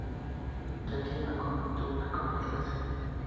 Yakima Canutt tuvo que completar la escena.